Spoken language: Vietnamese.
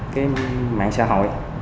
cái mạng xã hội